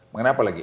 mengenai apa lagi